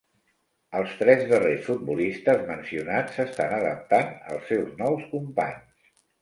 Els tres darrers futbolistes mencionats s'estan adaptant als seus nous companys.